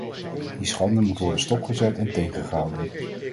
Die schande moet worden stopgezet en tegengehouden.